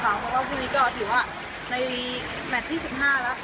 เพราะว่าพรุ่งนี้ก็ถือว่าในแมทที่สิบห้าแล้วก็จะพยายามทำให้ได้ชนะได้ค่ะ